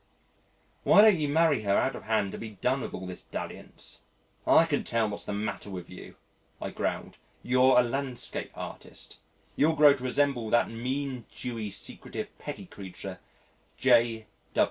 "Why don't you marry her out of hand and be done with all this dalliance? I can tell you what's the matter with you," I growled, "you're a landscape artist.... You'll grow to resemble, that mean, Jewy, secretive, petty creature, J.